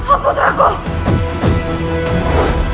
aku tidak mau expectasi